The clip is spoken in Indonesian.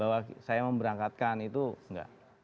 bahwa saya mau berangkatkan itu enggak